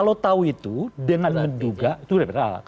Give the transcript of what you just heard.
saya tahu itu dengan menduga itu berbeda beda